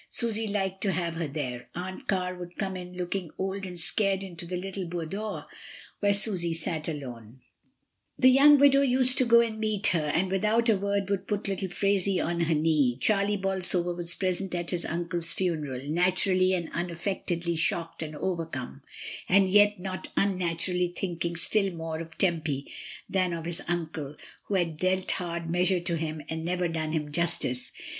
Susy liked to have her there. Aunt Car would come in looking old and scared into the little boudoir where Susy sat alone. AFTERWARDS. 35 The young widow used to go to meet her, and without a word would put little Phraisie on her knee. Charlie Bolsover was present at his uncle's funeral, naturally and unaffectedly shocked and overcome, and yet not unnaturally thinking still more of Tempy than of his uncle, who had dealt hard measure to him and never done him justice.